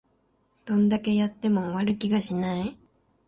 どんだけやっても終わる気がしない